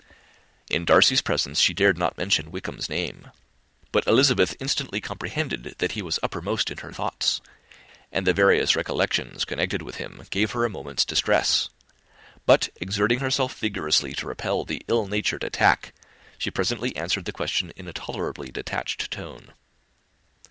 In Darcy's presence she dared not mention Wickham's name: but Elizabeth instantly comprehended that he was uppermost in her thoughts; and the various recollections connected with him gave her a moment's distress; but, exerting herself vigorously to repel the ill natured attack, she presently answered the question in a tolerably disengaged tone.